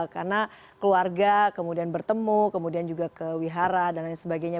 karena keluarga kemudian bertemu kemudian juga ke wihara dan lain sebagainya